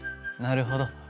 なるほど。